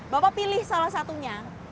bapak pilih salah satunya